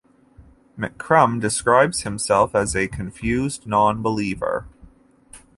McCrum describes himself as "a confused non-believer".